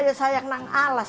kalau masih saya tidak mengalas